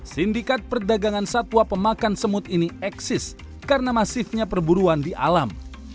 sindikat perdagangan satwa pemakan semut ini eksis karena masifnya perburuan di alam